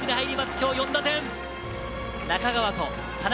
今日４打点！